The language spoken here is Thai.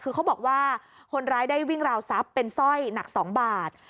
คือเขาบอกว่าคนร้ายได้วิ่งราวทรัพย์เป็นสร้อยหนัก๒บาท